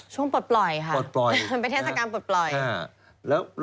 ช่วงปลอดปล่อยค่ะประเทศกรรมปลอดปล่อย